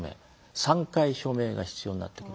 ３回署名が必要になってくる。